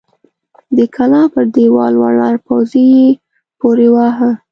د کلا پر دېوال ولاړ پوځي يې پورې واهه!